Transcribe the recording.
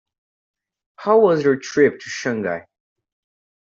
How was your trip to Shanghai?